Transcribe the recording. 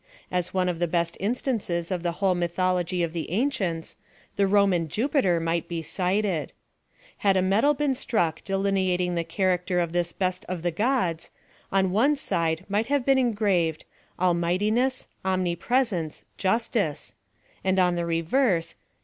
As one of the best instances in the whole mythology of the ancients, the Roman Jupiter might be cited. Had a medal been struck delineating the character of this best of the gods, on one side might have lieen engraved Almightiness^ Omnipneseiice^ Justice ; and on the reverse.